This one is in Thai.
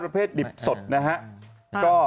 ประเภทดิบสดนะครับ